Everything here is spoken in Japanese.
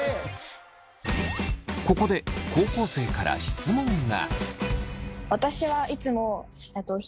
ここで高校生から質問が。